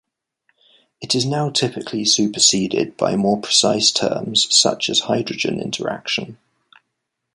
It is now typically superseded by more precise terms such as hydrogen interaction.